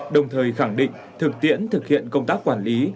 đồng thời khẳng định thực tiễn thực hiện công tác quản lý